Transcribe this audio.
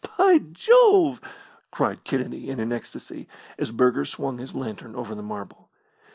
"By Jove!" cried Kennedy in an ecstasy, as Burger swung his lantern over the marble.